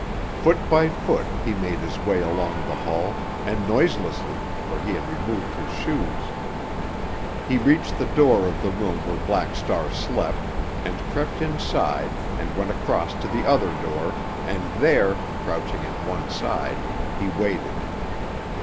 Foot by foot he made his way along the hall, and noiselessly, for he had removed his shoes. He reached the door of the room where Black Star slept, and crept inside and went across to the other door, and there, crouching at one side, he waited.